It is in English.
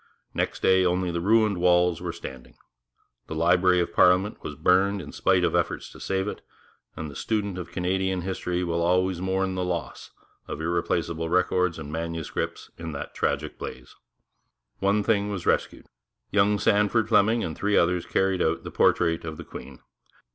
Next day only the ruined walls were standing. The Library of Parliament was burned in spite of efforts to save it, and the student of Canadian history will always mourn the loss of irreplaceable records and manuscripts in that tragic blaze. One thing was rescued. Young Sandford Fleming and three others carried out the portrait of the Queen.